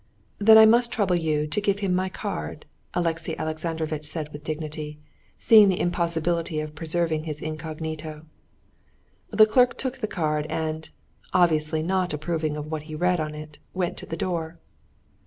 "Then I must trouble you to give him my card," Alexey Alexandrovitch said with dignity, seeing the impossibility of preserving his incognito. The clerk took the card and, obviously not approving of what he read on it, went to the door.